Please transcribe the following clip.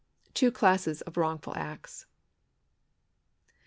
Two Classes of Wrongful Acts.